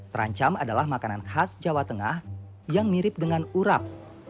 terancam adalah makanan khas jawa tengah yang mirip dengan urap